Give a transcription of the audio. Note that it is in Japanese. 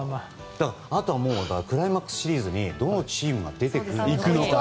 あとはクライマックスシリーズにどのチームが出てくるのか。